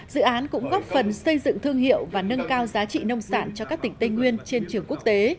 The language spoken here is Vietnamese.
dự án cũng góp phần xây dựng thương hiệu và nâng cao giá trị nông sản cho các tỉnh tây nguyên trên trường quốc tế